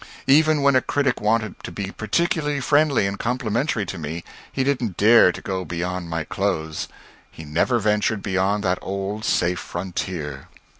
Even when a critic wanted to be particularly friendly and complimentary to me, he didn't dare to go beyond my clothes. He never ventured beyond that old safe frontier.